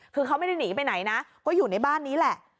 คือเขาไม่ได้หนีไปไหนนะก็อยู่ในบ้านนี้แหละ